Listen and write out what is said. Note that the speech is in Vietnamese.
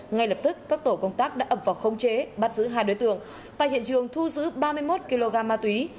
ngay lập tức các tổ công tác đã ập vào không chế bắt giữ hai đối tượng tại hiện trường thu giữ ba mươi một kg ma túy